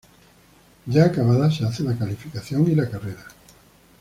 Ya acabada, se hace la calificación y la carrera.